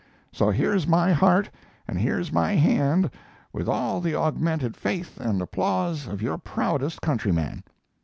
So here's my heart and here's my hand with all the augmented faith and applause of your proudest countryman!